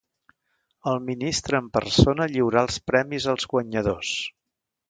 El ministre en persona lliurà els premis als guanyadors.